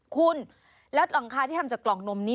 คุณแล้วหลังคาที่ทำจากกล่องนมนี้